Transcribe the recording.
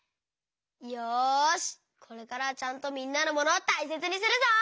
よしこれからはちゃんとみんなのモノをたいせつにするぞ！